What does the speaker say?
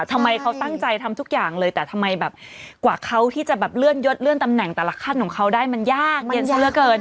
ทำไมเขาตั้งใจทำทุกอย่างเลยแต่ทำไมแบบกว่าเขาที่จะแบบเลื่อนยดเลื่อนตำแหน่งแต่ละขั้นของเขาได้มันยากเย็นซะเหลือเกิน